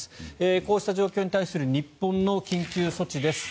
こうした状況に対する日本の緊急措置です。